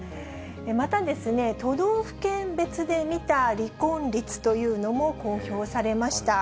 また、都道府県別で見た離婚率というのも公表されました。